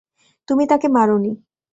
তুমি তাকে মারোনি।